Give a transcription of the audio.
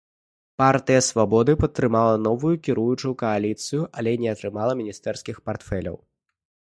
Партыя свабоды падтрымала новую кіруючую кааліцыю, але не атрымала міністэрскіх партфеляў.